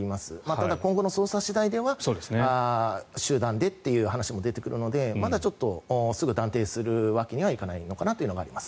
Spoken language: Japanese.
ただ、今後の捜査次第では集団でという話も出てくるのでまだちょっとすぐ断定するわけにはいかないのかなということがあります。